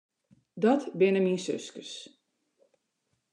Dat binne myn suskes.